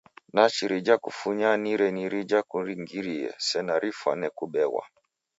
Nachi rija kufunya ni reni rija kungirie, sena rifwane kubeghwa!